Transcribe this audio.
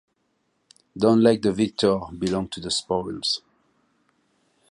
Don't let the victor belong to the spoils.